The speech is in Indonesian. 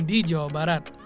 di jawa barat